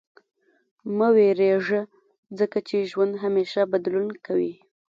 • مه وېرېږه، ځکه چې ژوند همېشه بدلون کوي.